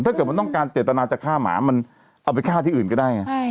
ถ้าเกิดมันต้องการเจตนาจะฆ่าหมามันเอาไปฆ่าที่อื่นก็ได้